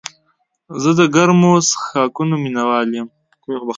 زه د ګرمو څښاکونو مینه وال یم.